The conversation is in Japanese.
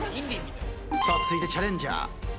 さあ続いてチャレンジャー。